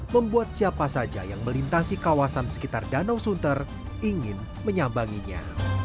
membuat siapa saja yang melintasi kawasan sekitar danau sunter ingin menyambanginya